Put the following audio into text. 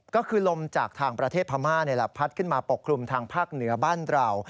ก็คือลมจากทางประเทศพม่านี่แหละพัดขึ้นมาปกคลุมทางภาคเหนือบ้านเรา